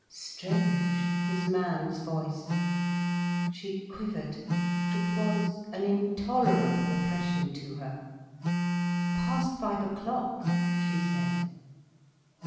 Strange, his man's voice. She quivered. It was an intolerable oppression to her. "Past five o'clock," she said.